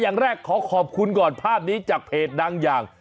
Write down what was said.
อย่างแรกขอขอบคุณก่อนภาพนี้จากเพจดังอย่าง